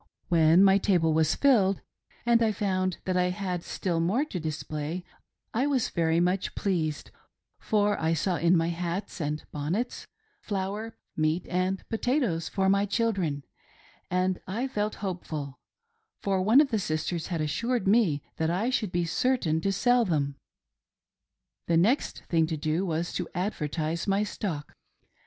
When my table was filled, and I found that I had still more to display, I was very much pleased, for I saw in my hats and bonnets, flour, meat, and potatoes for my children, and I felt hopeful, for one of the sisteis had assured me that I should be certain to sell them. The next thing to do was to advertise my stock.